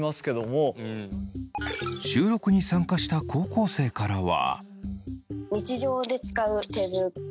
収録に参加した高校生からは。